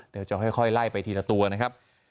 เดี๋ยวจะค่อยไล่ไปทีละตัวนะครับ